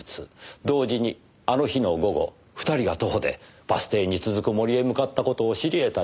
同時にあの日の午後２人が徒歩でバス停に続く森へ向かった事を知り得た人物です。